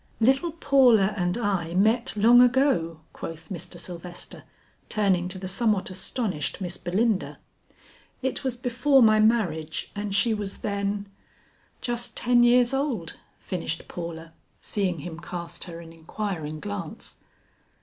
"Little Paula and I met long ago," quoth Mr. Sylvester turning to the somewhat astonished Miss Belinda. "It was before my marriage and she was then " "Just ten years old," finished Paula, seeing him cast her an inquiring glance.